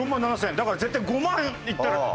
だから絶対５万いってる。